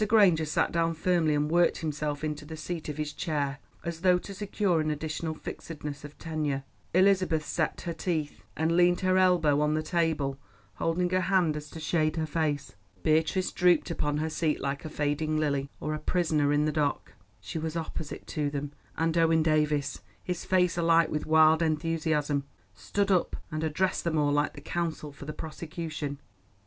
Granger sat down firmly and worked himself into the seat of his chair, as though to secure an additional fixedness of tenure. Elizabeth set her teeth, and leaned her elbow on the table, holding her hand so as to shade her face. Beatrice drooped upon her seat like a fading lily, or a prisoner in the dock. She was opposite to them, and Owen Davies, his face alight with wild enthusiasm, stood up and addressed them all like the counsel for the prosecution.